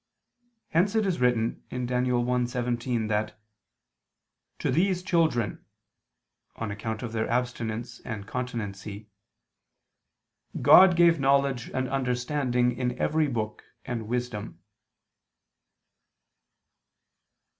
Hence it is written (Dan. 1:17) that "to these children" on account of their abstinence and continency, "God gave knowledge and understanding in every book, and wisdom."